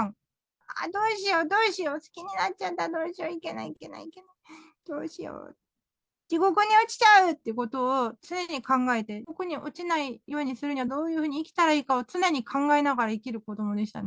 ああ、どうしよう、どうしよう、好きになっちゃった、どうしよう、いけない、いけない、どうしよう、地獄に落ちちゃうってことを常に考えて、地獄に落ちないようにするにはどういうふうに生きたらいいか、常に考えながら生きる子どもでしたね。